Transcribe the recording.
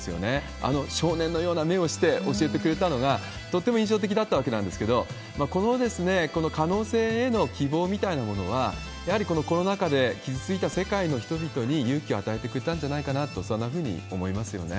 あの少年のような目をして教えてくれたのがとっても印象的だったわけですけれども、この可能性への希望みたいなものは、やはりこのコロナ禍で傷ついた世界の人々に勇気を与えてくれたんじゃないかなと、そんなふうに思いますよね。